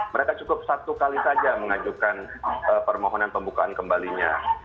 mereka cukup satu kali saja mengajukan permohonan pembukaan kembalinya